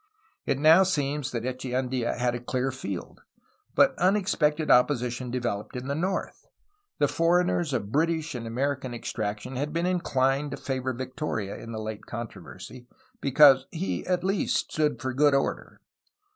It now seemed that Echeandia had a clear field, but un expected opposition developed in the north. The foreigners of British and American extraction had been inclined to favor Victoria in the late controversy, because he at least stood for good order.